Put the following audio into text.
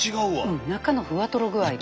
うん中のふわとろ具合が。